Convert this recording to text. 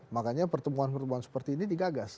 makanya pertemuan pertemuan seperti ini digagas